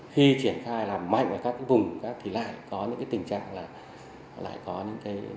khi triển khai làm mạnh ở các cái vùng thì lại có những tình trạng là lại có những cái